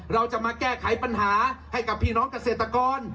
เราจะมาแก้ไขปัญหาให้กับพี่น้องเกษตรกร